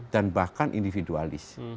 dan bahkan individualis